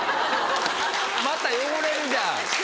また汚れるじゃん。